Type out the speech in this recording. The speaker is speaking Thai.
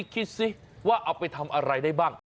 คิดสิว่าเอาไปทำอะไรได้บ้าง